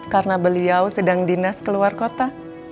karena beliau sedang dinas keluar kota